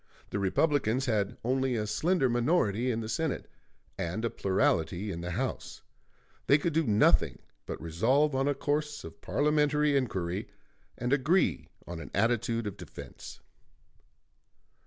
The Republicans had only a slender minority in the Senate, and a plurality in the House; they could do nothing but resolve on a course of parliamentary inquiry, and agree on an attitude of defense.